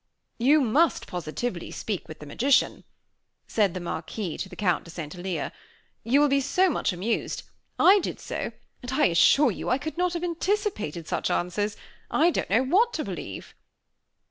"You must, positively, speak with the magician," said the Marquis to the Count de St. Alyre, "you will be so much amused. I did so; and, I assure you, I could not have anticipated such answers! I don't know what to believe."